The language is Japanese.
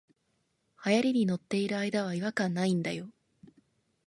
流行に乗ってる間は違和感ないんだよ